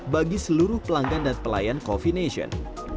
bagi seluruh pelanggan dan pelayan coffeenation